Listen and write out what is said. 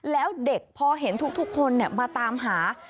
แล้วเด็กพอเห็นทุกคนมาตามหา